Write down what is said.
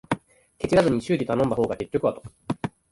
ケチらずに修理頼んだ方が結局は得